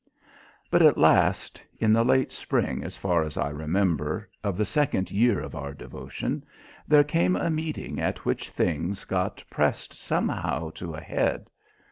But at last in the late spring, as far as I remember, of the second year of our devotion there came a meeting at which things got pressed somehow to a head.